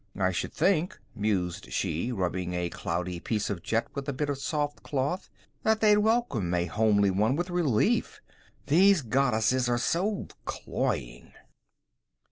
"I should think," mused she, rubbing a cloudy piece of jet with a bit of soft cloth, "that they'd welcome a homely one with relief. These goddesses are so cloying."